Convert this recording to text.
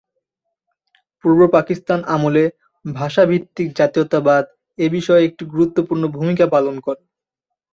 পূর্ব পাকিস্তান আমলে ভাষা ভিত্তিক জাতীয়তাবাদ এ বিষয়ে একটি গুরুত্বপূর্ণ ভূমিকা পালন করে।